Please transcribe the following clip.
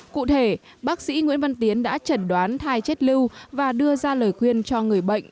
cụ thể bác sĩ nguyễn văn tiến đã chẩn đoán thai chết lưu và đưa ra lời khuyên cho người bệnh